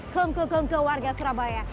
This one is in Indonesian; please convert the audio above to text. kung kung kung ke warga surabaya